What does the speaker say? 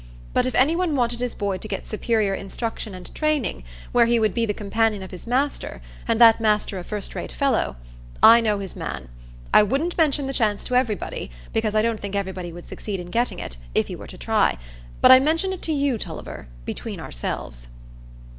But if any one wanted his boy to get superior instruction and training, where he would be the companion of his master, and that master a first rate fellow, I know his man. I wouldn't mention the chance to everybody, because I don't think everybody would succeed in getting it, if he were to try; but I mention it to you, Tulliver, between ourselves."